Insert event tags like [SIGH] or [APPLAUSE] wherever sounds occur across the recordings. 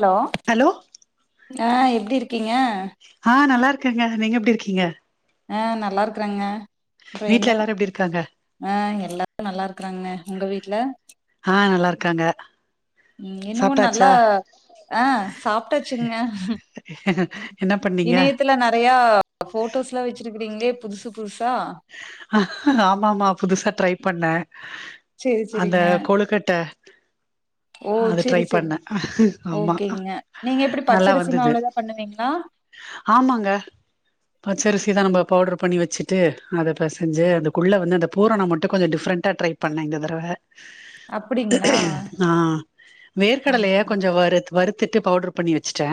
Hello hello ஆ எப்டி இருக்கீங்க ஆ நல்லா இருக்கேங்க நீங்க எப்டி இருக்கீங்க ஆ நல்லாருக்றேங்க வீட்ல எல்லாரு எப்டி இருக்காங்க ஆ எல்லாரு நல்லாருக்றாங்க உங்க வீட்ல ஆ நல்லா இருக்காங்க ம் இன்னமு சாப்ட்டாச்சா நல்லா அ சாப்டாச்சுங்க [INAUDIBLE] பண்ணீங்க இணையத்துல நறயா போட்டோஸ்லா வெச்சிருக்குறீங்களே புதுசு புதுசா ஆமா ஆமா புதுசா ட்ரை பண்ண சேரி அந்த சேரிங்க கொழுக்கட்ட ஓ அது ட்ரை சேரி சேரி பண்ண ஆமா ஓகேங்க நீங்க எப்டி நல்லா பச்சரிசி வந்தது மாவுலதா பண்ணுவீங்களா ஆமாங்க பச்சரிசி தா நம்ப ஓ பவுடர் பண்ணி வச்சு ட்டு அத இப்ப செஞ்சு அதுகுள்ள வந்து அந்த பூரண மட்டு கொஞ்ச டிஃப்ரெண்ட்டா ட்ரை பண்ண இந்த தடவ அப்டிங்களா ஆ வேர்க்கடலயே ஆமாங்க கொஞ்ச வரு வருத்துட்டு பவுடர் பண்ணி வேச்சுடா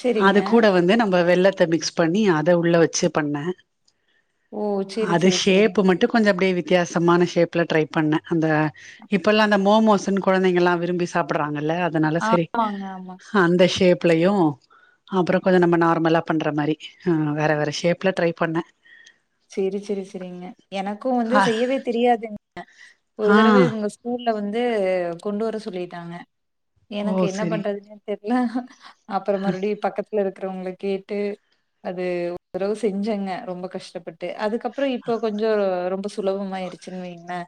சேரிங்க அது கூட வந்து நம்ப வெல்லத்த மிக்ஸ் பண்ணி அத உள்ள வச்சு பண்ணே ஓ சேரி அது சேரி சேரிங்க ஷேப் மட்டு கொஞ்ச அப்டியே வித்தியாசமான ஷேப்ல ட்ரை பண்ணே அந்த இப்பல்லா அந்த மோமோஸ்ன்னு கொழந்தைங்கல்லா விரும்பி சாப்டுறாங்கல்ல அதனால சேரி ஆமாங்க ஆமா அந்த ஷேப்லயு அப்றோ கொஞ்சோ நம்ப நார்மலா பண்ற மாரி ஆ வேற வேற ஷேப்ல ட்ரை பண்ணே சேரி சேரி சேரிங்க எனக்கு வந்து ஆ செய்யவே தெரியாதுங்க ஒரு ஆ தடவ இவங்க ஊர்ல வந்து கொண்டு வர சொல்லிட்டாங்க எனக்கு ஓ என்ன செரி பண்றது தெர்ல அப்றோ மறுபடியு பக்கத் துல இருக்கறவங்கள கேட்டு அது ஒரு தடவ செஞ்சங்க ரொம்ப கஷ்டப்பட் ட்டு அதுக்கப்றோ இப்ப கொஞ்ச ரொம்ப சுலபமாயிருச்சுன்னு வையுங்களே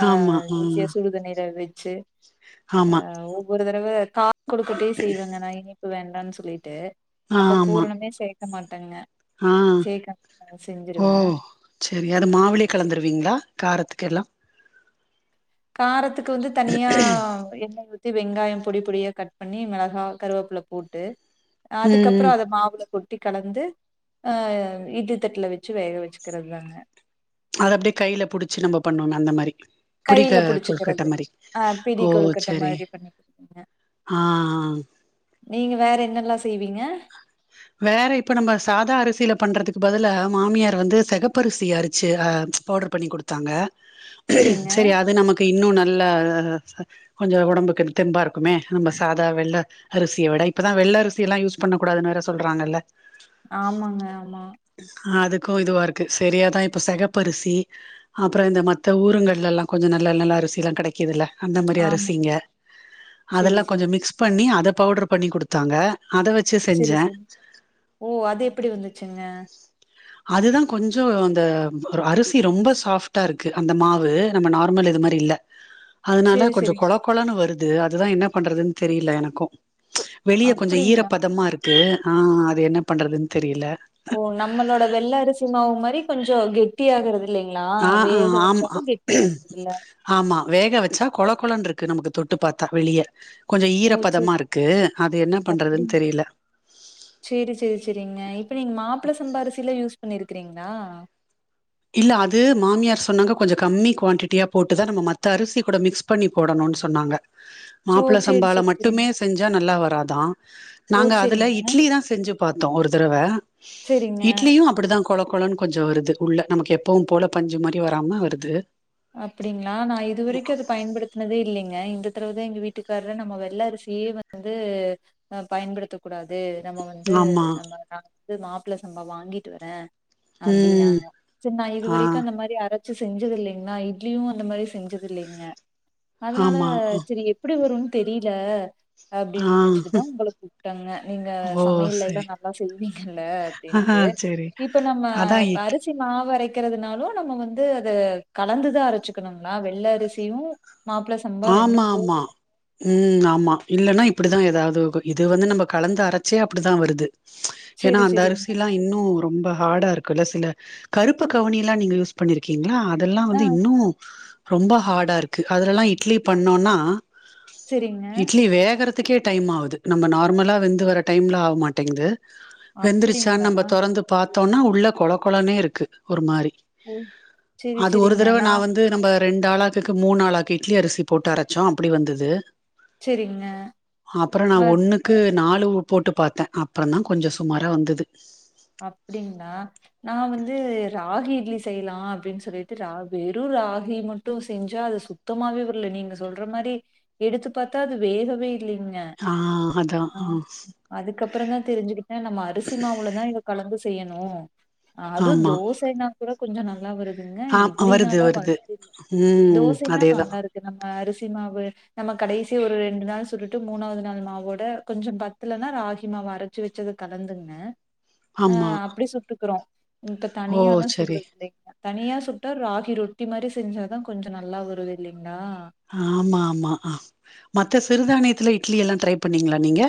ஆ ஆமா ஆ சுடுதண்ணிர வெச்சு ஆ ஆமா உ ஒரு தடவ கா கொழுக்கட்டயு செய்வங்க நா இனிப்பு வேண்டானு சொல்லிட்டு ஆ அப்போ ஆமா பூரணமே சே க்க மாட்டேங்க ஆ சேக்க செஞ்சு ஓ சேரி அது மாவுலியே கலந்துருவீங்களா காரத்துக்கு எல்லா காரத்துக்கு வந்து தனியா எண்ணெய் ஊத் தி வெங்காயம் பொடி பொடியா கட் பண்ணி மெளகா கருவேப்பள்ள போட்டு ம் அதுக் அப்றோ ம் அத மாவுல போட் டு கலந்து அ இட்லி தட்டுல வெச்சு வேக வேச்சுக்கறது தாங்க அத அப்டியே கையில புடிச்சு நம்ம பண்ணோமே அந்த மாரி பிடிக கையில கொழுக்கட்ட புடிச்சுக்கிறது மாரி ஆ பிடி ஓ கொழுக்கட்ட சேரி மாதிரி பண்ணிக்குவீங்க ஆ நீங்க வேற என்னல்லா செய்வீங்க வேற இப்ப நம்ப சாதா அரிசில பண்றதுக்கு பதிலா மாமியார் வந்து செகப்பரிசி அரிச்சு அ பவுடர் பண்ணி குடுத்தாங்க [INAUDIBLE] சேரி அது நமக்கு இன்னு நல்லா கொஞ்சோ ஓடம்புக்கு தெம்பா இருக்குமே நம்ப சாதா வெள்ள அரிசிய விட இப்பதா வெள்ள அரிசியெல்லா யூஸ் பண்ணக்கூடாதுன்னு வேற சொல்றாங்கல்ல ஆமாங்க ஆமா அதுக்கோ இதுவா இருக்கு செரியாதா இப்ப செகப்பரிசி அப்றோ இந்த மத்த ஊருங்கலெல்லா கொஞ்சோ நல்ல நல்ல அரிசில்லா கெடைக்குதில்ல அந்த மாரி ஆமா அரிசிங்க செரி அதெல்லா செரி கொஞ்சோ மிக்ஸ் பண்ணி அத பவுடர் பண்ணி குடுத் தாங்க அத வெச்சு செரி செஞ்சே செரி ஓ அது எப்டி வந்துச்சுங்க அதுதா கொஞ்சோ அந்த அரிசி ரொம்ப சாஃப்ட்டா இருக்கு அந்த மாவு நம்ம நார்மல் இது மாரி இல்ல [INAUDIBLE] அதுனால கொஞ்ச செரி கொழ கொழன்னு வருது அதுதா என்ன பண்றதுன் தெரில எனக்கு வெளிய கொஞ்ச அப்டிங்களா ஈரப்பதமா இருக்கு ஆ அது என்ன பண்றதுன் தெரில ஓ நம்மளோட வெள்ள அரிசிமாவு மாரி கொஞ்ச கெட்டி ஆகுறது இல்லைங்களா ஆ ஆ வேக ஆமா வச்சாலு வெட்டி ஆகுறதில்ல ஆமா வேக வச்சா கொழ கொழன்ருக்கு நமக்கு தொட்டு பாத்தா வெளிய கொஞ்ச ஓ செரி ஈரப்பதமா இருக்கு அது என்ன பண்றதுன் தெரில சேரி சேரி சேரிங்க இப்ப நீங்க மாப்ள சம்பா அரிசிலா யூஸ் பண்ணிருக்கிறீங்களா இல்ல அது மாமியார் சொன்னாங்க கொஞ்ச கம்மி குவான்டிட்டியா போட்டு தா நம்ம மத்த அரிசி கூட மிக்ஸ் பண்ணி போடணுன் சொன்னாங்க ஓ மாப்ள செரி சம்பால செரி மட்டுமே செரிங்க செஞ்சா நல்லா வராதா ஓ நாங்க அதுல செரிங்க இட்லி தா செஞ்சு பாத்தோ ஒரு தரவ செரிங்க இட்லியு அப்டிதா கொழ கொழன்னு கொஞ்ச வருது உள்ள நமக்கு எப்பவு போல பஞ்சு மாரி வராம வருது அப்டிங்களா நா இதுவரைக்கு அது பயன்படுத்துனதே இல்லங்க இந்த தடவதா எங்க வீட்டுக்காரூ நம்ம வெள்ள அரிசியே வந்து அ பயன்படுத்த கூடாது நம்ம வந்து ஆமா நம்ம நா வந்து மாப்ள சம்பா வாங்கிட்டு வரே ம் அப்டின்னாங்க சரி நா ஆ இதுவரைக்கு அந்த மாரி அரச்சு செஞ்சது இல்ல நா இட்லியு அந்த மாரி செஞ்சது இல்லங்க அதுனால ஆமா சரி எப்டி வருன் தெரில ஆ அப்டின் நெனச்சுட்டுதா ஒங்கள கூப்ட்டங்க நீங்க ஓ சமையல்லேலா சரி நல்லா செய்வீங்கல்ல ஆஹ அப்டின்ட்டு சரி இப்ப நம்ம அதா இப்ப இட் அரிசி மாவரைக்கிறதுனாலு நம்ம வந்து அது கலந்துதா அரச்சுக்கணுங்களா வெள்ள அரிசியு மாப்ள ஆமா ஆமா ம் ஆமா இல்லன்னா இப்டிதா எதாது இருக்கு இது வந்து கலந்து அரச்சே அப்டிதா வருது ஏனா செரி அந்த செரிங்க அரிசில்லா இன்னு ரொம்ப ஹார்டா இருக்குல்ல சில கருப்பு கவுனியல்லா நீங்க யூஸ் பண்ணிருக்கீங்களா அதல்லா ஆ வந்து இன்னு ரொம்ப ஹார்டா இருக்கு அதுலல்லா இட்லி பண்ணோனா செரிங்க இட்லி வேகறது துக்கே டைம் ஆகுது நம்ம நார்மலா வெந்து வர டைம்ல ஆக மாட்டேங்குது வெந்துருச்சான் அப்டிங்களா நம்ம தொறந்து பாத்தோனா உள்ள கொழ கொழனே இருக்கு ஒரு மாரி ஓ செரி அது ஒரு செரிங்க தடவ நா வந்து நம்ப ரெண்டு ஆளாகுக்கு மூணு ஆளாக்கு இட்லி அரிசி போட்டு அரச்சோ அப்டி வந்தது செரிங்க அப்பறோ நா ம ஒண்ணு க்கு நாலு வு போட்டு பாத்தே அப்பந்தா கொஞ்சோ சுமாரா வந்தது அப்டிங்களா நா வந்து ராகி இட்லி செய்யலா அப்டின் சொல்லிட்டு ரா வெறு ராகி மட்டு செஞ்சா அது சு சுத்தமாவே வரல நீங்க சொல்ற மாரி எடுத்து பாத்தா அது வேகவே இல்லைங்க ஆ அதா அ ஆ அதுக்கப்பறந்தா தெருஞ்சுக்கிட்டே நம்ம அரிசி மாவுளதா இத கலந்து செய்யணு அது ஆமா தோசைனா கூட கொஞ்சோ நல்லா வருது வருதுங்க ஆ இட்லினா வருது தா வருது வன்டு ம் தோசைனா அதேதா நல்லாருக்கு நம்ம அரிசி மாவு நம்ம கடைசி ஒரு ரெண்டு நாள் சுட்டுட்டு மூணாவது நாள் மாவோட கொஞ்சோ பத்தலன்னா ராகி மாவ அர ச்சு வச்சத கலந்துங்க ஆ ஆமா அப்டி சுட்டுக்குறோ இப்ப ஓ தனியானா சரி சுடுறது இல்லைங்க தனியா சுட்டா ராகி ரொட்டி மாரி செஞ்சாதா கொஞ்சோ நல்லா வருது இல்லைங்களா ஆமா ஆமா ஆ மத்த சிறுதானயத்துல இட்லி எல்லா ட்ரை பண்ணீங்களா நீங்க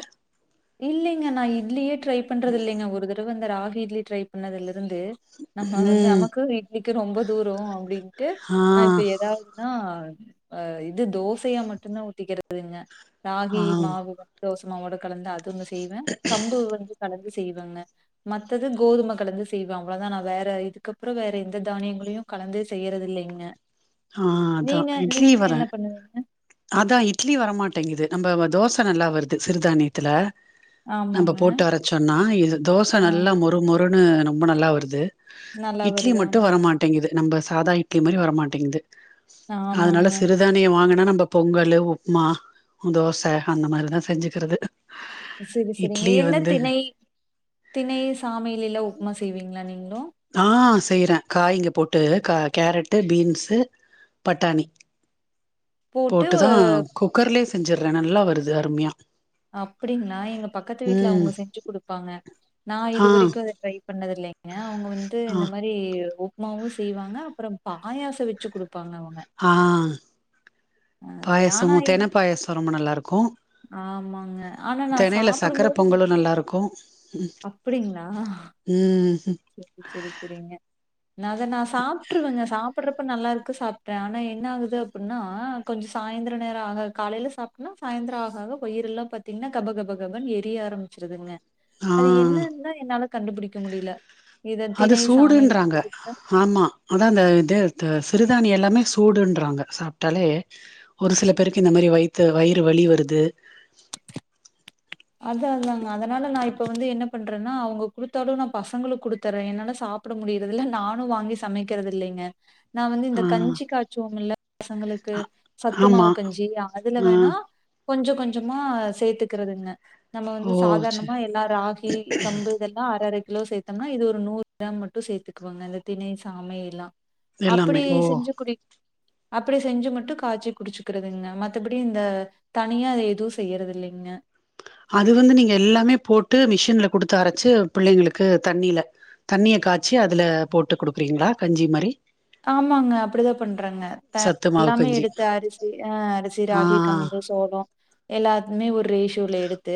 இல்லைங்க நா இட்லியே ட்ரை பண்ணுறது இல்லைங்க ஒரு தடவ அந்த ராகி இட்லி ட்ரை பண்ணதுலருந்து நம்ம வந்து ம் நமக்கு இட்லிக்கு ரொம்ப தூரோ அப்டின்ட்டு ஆ நா இப்ப ஏதாவது நா இது தோசையா மட்டுதா ஊத்துக்கிறதுங்க ராகி ஆ மாவு தோசமாவோட கலந்து அதுங்க செய்வே கம்பு வந்து கலந்து செய்வங்க மத்தது கோதும கலந்து செய்வே அவ்ளோதா நா வேற இதுக்கப்றோ வேற எந்த தானியங்களையு கலந்து செய்யிறது இல்லிங்க ஆ அதா இட்லி வரே பண்ணுவீங்க அதா இட்லி வரமாட்டேங்கிது நம்ம வ தோச நல்லா வருது சிறுதானியத்துல நம்ம ஆமாங்க போட்டு அரச்சோனா இது தோசை ஆ நல்லா மொறு மொறுன்னு ரொம்ப நல்லா வருது நல்லா இட்லி வருது மட்டு ஆமாங்க வரமாடேங்குது நம்ம சாதா இட்லி மாரி வரமாடேங்குது அதனால ஆமாங்க சிறு சிறுதானிய வாங்கினா நம்ம பொங்கலு உப்புமா தோச அந்த மாரி தா செஞ்சுகிறது செரி செரிங்க என்ன திணை திணை சாமைல எல்லா உப்புமா செய்வீங்களா நீங்களு ஆ செய்யறே காய்ங்க போட்டு கேரட்டு பீன்ஸ்சு பட்டாணி போட்டு போட்டுதா அஹ், குக்கர்லயே செஞ்சறே நல்லா வருது அருமையா அப்பிடிங்களா எங்க பக்கத்து வீட்ல அவங்க ம். செஞ்சு குடுப்பாங்க நா ஆ, இதுவரைக்கு அத ட்ரை பண்ணதில்லிங் ஏ அவங்க வந்து ஆ, இந்த மாரி உப்புமாவு செய்வாக அப்புற பாயாச வெச்சு கு ஆ அது ஆனா பாயசமு என்- தெண பாயசோ ரொம்ப நல்லா இருக்கு ஆமாங்க ஆனா நான் தெணைல்ல சக்கர பொங்கலு நல்லா இருக்கு அப்பிடிங்களா ம் செரி செரிங்க நா அத நா சாப்பிட்ருவேங்க சாப்பிட்றப்ப நல்லா இருக்கு சாப்ட்றே ஆனா என்ன ஆகுது [UNINTELLIGIBLE] கொஞ்ச சாயந்த நேர ஆக காலையில சாப்ட்டனா சாயந்திர ஆக வயிர எல்லா பத் என்ன கபகபகபன்னு எரிய ஆரம்பிச்சிருதுங்க ஆ அது என்னன்தா என்னால கண்டு புடிக்க முடியல இத அது திணை சாமை சூடுன்றாங்க. ஆமா ஆனா அந்த இது சிறுதானிய எல்லாமே சூடுன்றாங்க சாப்டாலே ஒரு சில பேருக்கு இந்த மாரி வயித்த வயிறு வலி வருது அத அதாக அதனால நா இப்ப வந்து என்ன பண்றேன்னா அவங்க குடுத்தாலு நா பசங்களுக் குடுத்தர்றே என்னால சாப் ப்பட முடியறதில்ல நானு வாங்கி சமைக்கிறது இல்லங்க நா வந்து ஆ இந்த கஞ்சி காச்சுவோம்ல பசங்களுக்கு ஆமா. சத்துமாவு கஞ்சி அதுல ஆ வேணா கொஞ்ச கொஞ்சமா சேத்துகிறதுங்க நம்ம வந்து ஓ! சரி சாதாரணமா எல்லா ராகி கம்பு இதெல்லா அர அர கிலோ சேத்தோம்னா இது ஒரு நூறு கிராம் மட்டு சேத்துக்குவாங்க இந்த திணை சாமை எல்லா அப்பிடி எல்லாமே. ஓ! செஞ்சு குடி அப்பிடி செஞ்சு மட்டு காச்சி குடிச்சுக்கறதுங்க மத்தபடி இந்த தனியா அத எதுவு செய்யறது இல்லிங்க அது வந்து நீங்க எல்லாமே போட்டு மிஷின்ல குடுத்து அரச்சு பிள்ளைகளுக்கு தண்ணில தண்ணிய காச்சி அதுல போட்டு குடுப்பீங்களா கஞ்சி மாரி ஆமாங்க அப்பிடிதா பண்றங்க சத்து மாவு எல்லாமே கஞ்சி எடுத்து அரிசி ஆ அரிசி ஆ ராகி கம்பு சோளோ எல்லாதுமே ஒரு ரேசுல எடுத்து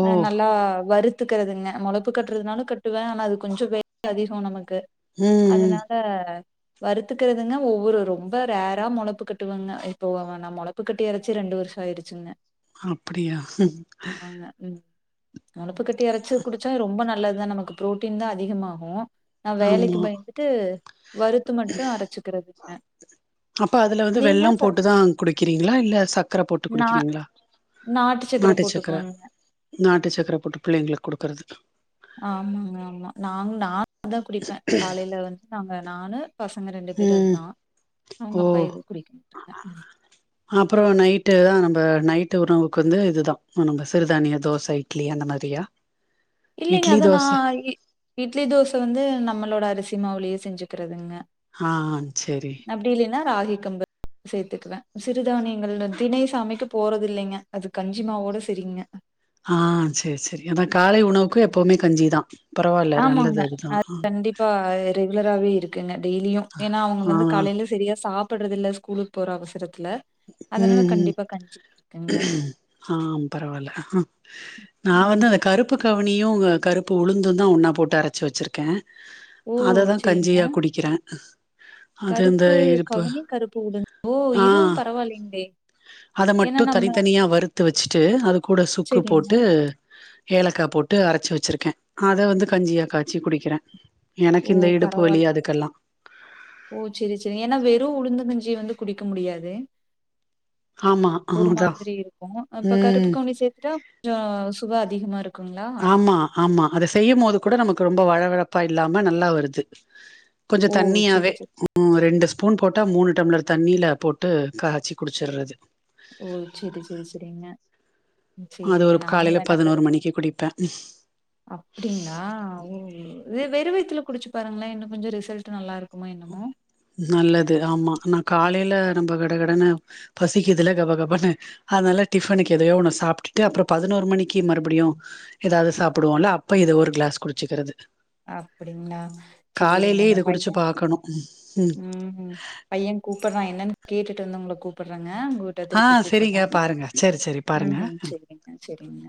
ஓ நல்லா வருத் வருத்துறதுங்க முளப்பு கட்றதுனாலு கட்டுவே ஆனா அது கொஞ்சோ வேல அதிகோ நமக்கு ம் ம் அதனால ஆ வருத்துகிறதுங்க ஒவ்வொரு ரொம்ப ரேரா முளப்பு கட்டுவங்க இப்போ நா முளப்பு கட்டி அரச்சி ரெண்டு வருஷ ஆயிருச்சு சின்ன அப்படியா ம் ம் மொளப்பு கட்டிய அரச்சு குடிச்சா ரொம்ப நல்லதுதா நமக்கு புரோட்டீன் தா அதிகமாகு நா வேலைக்கு ஆமா பயதுட்டு வறுத்து மட்டு அரைச்சுகிறதுங்க அப்ப அதுல வந்து வெள்ளு போட்டுதா குடிகிறீங்களா இல்ல சக்கர போட்டு நா குடிகிறீங்களா நாட்டு சக்கர நாட்டு சக்கர போட்டு புள்ளைங்களுக்கு குடுக்குறது ஆமாங்க ஆமா நாங்க நானு தா குடிப்பே காலயில வந்து நாங்க நானு பசங்க ரெண்டு பேரு ம் அதா அவங்க அப்பா இது குடிக மாட்டாங்க அப்புறோ நைட்டு தா நம்ப நைட்டு உணவுக்கு வந்து இதுதா நம்ம சிறுதானிய தோச இட்லி அந்த மாதிரியா இல்லைங்க இட்லி அதா நா தோச இட்லி தோசை வந்து நம்மளோட அரிசி மாவுலேயே செஞ்சுக்கிறதுங்க ஆ சேரி அப்படி இல்லைன்னா ராகி கம்பு சேர்த்துக்குவே சிறுதானியங்கள்ள திணை சமைக்கு போறத இல்லைங்க அது கஞ்சிமாவோட சரிங்க ஆ சரி சரி அதா காலை உணவுக்கு எப்பவுமே கஞ்சிதா ஆமாங்க அது கண்டிப்பா ரெகுலராவே இருக்குங்க டெய்லியு ஏன்னா அவங்க ஆ வந்து காலையில சரியா சாப்பிடுறது இல்ல ஸ்கூலுக்கு போற அவசரத்துல அதனால ம் கண்டிப்பா கஞ்சி இருக்குங்க. ஆ பரவாயில்ல நா ம். வந்து அந்த கருப்பு கருப்பு கவனியு கருப்பு உளுந்துதா ஒன்னா போட்டு அரைச்சி வச்சுருக்கே ஓ! அததா சரிங்க. கஞ்சியா குடிக்கிறே அது இந்த கருப்பு இருப்பு கவினி கருப்பு உளுந்து ஓ ஆ இதுவு பரவாயில்லைங்களே அத ஏன்னா மட்டு நம்ம தனித்தனியா வறுத்து வச்சுட்டு அது கூட சுக்கு சரிங்க. போட்டு ஏலக்கா போட்டு அரைச்சு வச்சிருக்கே அதை வந்து கஞ்சியா காய்ச்சி குடிக்கிறே எனக்கு ஓ! இந்த இடுப்பு வலி பரவால்ல. அதுக்கெல்லா ஓ சரி சரி ஏன்னா வெறும் உளுந்தகஞ்சி வந்து குடிக்க முடியாது ஆமா ஒரு அதா மாதிரி இருக்கு இப்ப கருப்பு ம் கவணி சேர்த்தா கொஞ்சோ சுவ அதிகமா இருக்கு ஆமா ஆமா அத செய்யும் போது கூட நமக்கு ரொம்ப வழவழப்பா இல்லாம நல்லா வருது கொஞ்சு ஓ! சரி, தண்ணியாவே சரி. ரெண்டு ஸ்பூன் போட்டா மூணு டம்ளர் தண்ணியில போட்டு காய்ச்சி குடிச்சறது ஓ சரி சரி சரிங்க அது சரிங்க. ஒரு நானும் காலையில வேணா கரு பதினோரு மணிக்கு குடிப்பே அப்படிங்களா ஓ அது வெறு வயித்துல குடிச்சு பாருங்களே இன்னு கொஞ்சு ரிசல்ட் நல்லா இருக்கு உண்ம என்னமோ நல்லது ஆமா நா காலையில நம்ம கடகடனனு பசிக்குதுல கப கபனு அதனால டிஃபனுக்கு எதையோ ஒன்ன சாப்பிட்டுட்டு அப்புறோ பதினோரு மணிக்கு மறுபடியு ஏதாவது சாப்பிடுவோல்ல அப்ப இத ஒரு கிளாஸ் குடிச்சிக்கிறது அப்படிங்களா சேரிங்கா அந்த பைய உம் ம் ம் பைய கூப்பிட்றா என்னன்னு கேட்டுட்டு வந்து உங்கள கூப்பிட்றேங்க உங்க ஆ செரிங்க பாருங்க சரி சரி பாருங்க ம் செரிங்க செரிங்க